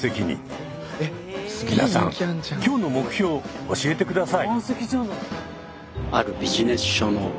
皆さん今日の目標教えてください。